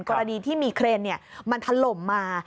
กรณีที่มีเครนมันถล่มมา